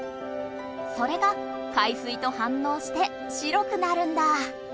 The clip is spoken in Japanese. それが海水と反応して白くなるんだ。